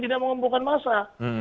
tidak mengumpulkan masa